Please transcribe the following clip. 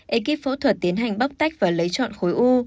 ekip phẫu thuật tiến hành bóc tách và lấy chọn khối u